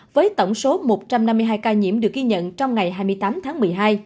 với tổng số một trăm năm mươi hai ca nhiễm được ghi nhận trong ngày hai mươi tám tháng một mươi hai